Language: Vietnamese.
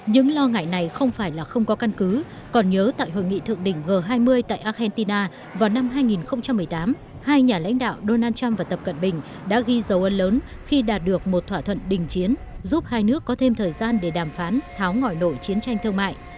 những lo ngại này không phải là không có căn cứ còn nhớ tại hội nghị thượng đỉnh g hai mươi tại argentina vào năm hai nghìn một mươi tám hai nhà lãnh đạo donald trump và tập cận bình đã ghi dấu ân lớn khi đạt được một thỏa thuận đình chiến giúp hai nước có thêm thời gian để đàm phán tháo ngỏi nổi chiến tranh thương mại